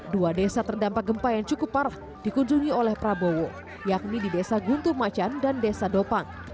dua desa terdampak gempa yang cukup parah dikunjungi oleh prabowo yakni di desa guntur macan dan desa dopang